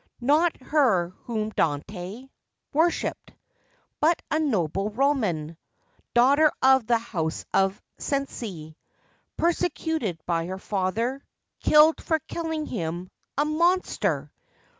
Not her whom Dante Worshiped; but a noble Roman, Daughter of the house of Cenci; Persecuted by her father; Killed for killing him—a monster!